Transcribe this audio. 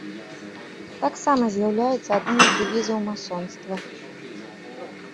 Таксама з'яўляецца адным з дэвізаў масонства.